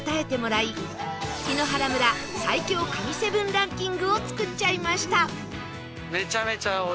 檜原村最強神７ランキングを作っちゃいました